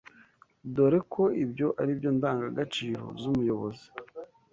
dore ko ibyo ari byo ndangagaciro z’umuyobozi